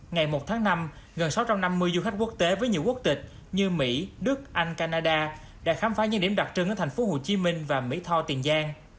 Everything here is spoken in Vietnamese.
ngày một tháng năm gần sáu trăm năm mươi du khách quốc tế với nhiều quốc tịch như mỹ đức anh canada đã khám phá những điểm đặc trưng ở thành phố hồ chí minh và mỹ tho tiền giang